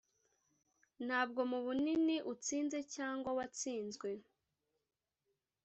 ntabwo mubunini utsinze cyangwa watsinzwe -